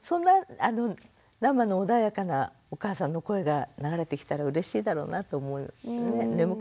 そんな生の穏やかなお母さんの声が流れてきたらうれしいだろうなと思いますね。